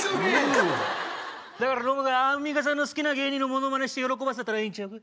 だからノブがアンミカさんの好きな芸人のものまねして喜ばせたらええんちゃうか。